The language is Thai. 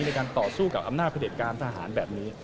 ในการต่อสู้กับอำนาจพระเด็จการทหารแบบนี้